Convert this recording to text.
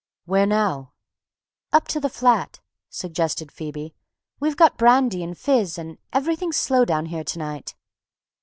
"Where now?" "Up to the flat," suggested Phoebe. "We've got brandy and fizz—and everything's slow down here to night."